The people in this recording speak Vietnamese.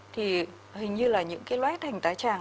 thì hình như là những cái lét thành tái tràng